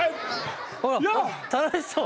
ほら楽しそう！